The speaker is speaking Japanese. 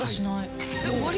え終わり？